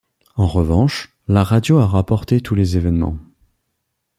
En revanche la radio a rapporté tous les événements.